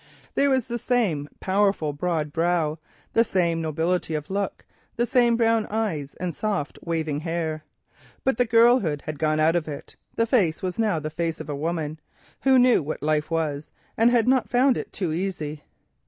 There were the same powerful broad brow, the same nobility of look, the same brown eyes and soft waving hair. But the girlhood had gone out of them, the face was now the face of a woman who knew what life meant, and had not found it too easy.